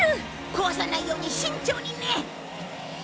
壊さないように慎重にね！